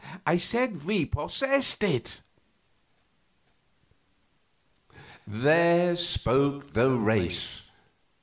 I said we possessed it. "There spoke the race!"